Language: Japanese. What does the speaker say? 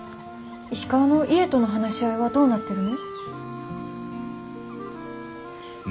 石川の家との話し合いはどうなってるの？